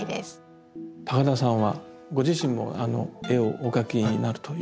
高田さんはご自身も絵をお描きになるという。